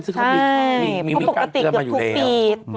ใช่เพราะปกติเกือบทุกปี